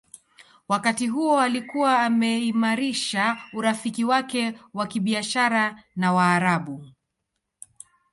Wakati huo alikuwa ameimarisha urafiki wake wa kibiashara na Waarabu